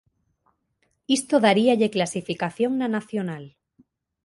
Isto daríalle clasificación na nacional.